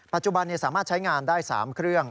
ปัจจุบันสามารถใช้งานได้๓เครื่อง